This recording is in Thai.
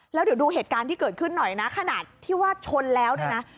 แล้วเดี๋ยวดูเหตุการณ์ที่เกิดขึ้นหน่อยนะขนาดที่ว่าชนแล้วเนี่ยนะ